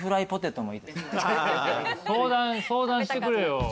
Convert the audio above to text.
相談してくれよ。